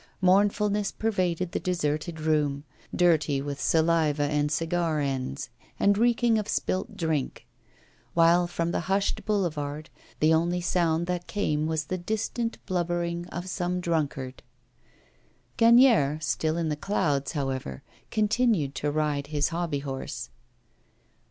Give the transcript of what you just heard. Mournfulness pervaded the deserted room, dirty with saliva and cigar ends, and reeking of spilt drink; while from the hushed boulevard the only sound that came was the distant blubbering of some drunkard. Gagnière, still in the clouds, however, continued to ride his hobby horse.